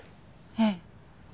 ええ。